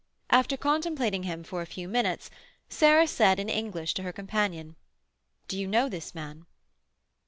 After contemplating him for a few minutes, Sarah said, in English, to her companion, "Do you know this man?"